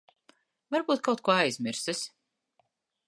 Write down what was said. Varbūt kaut ko aizmirsis.